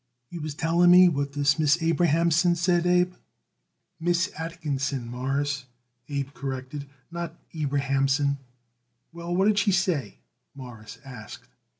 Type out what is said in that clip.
"You was telling me what this Miss Abrahamson said, Abe." "Miss Atkinson, Mawruss," Abe corrected, "not Abrahamson." "Well, what did she say?" Morris asked.